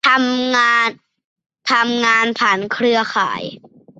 ทำงานผ่านเครือข่าย